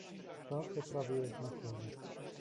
"Szanse prawie jednakowe..."